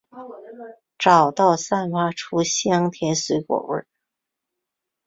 找到散发出的香甜水果味！